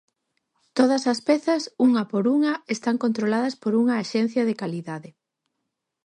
Todas as pezas, unha por unha, están controladas por unha axencia de calidade.